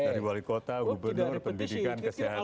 dari wali kota gubernur pendidikan kesehatan